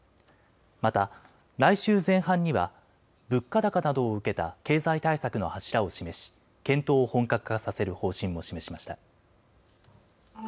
また来週前半には物価高などを受けた経済対策の柱を示し検討を本格化させる方針も示しました。